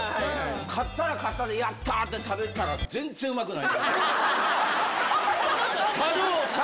かったらかったで、やったって食べたら、全然うまくない。